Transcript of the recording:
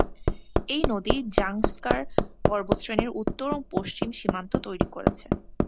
এই নদী জাংস্কার পর্বতশ্রেণীর উত্তর ও পশ্চিম সীমান্ত তৈরী করেছে।